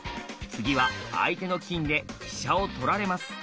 次は相手の金で飛車を取られます。